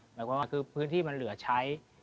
หมายความว่าคือพื้นที่มันเหลือใช้